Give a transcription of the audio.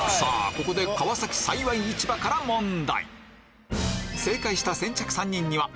ここで川崎幸市場から問題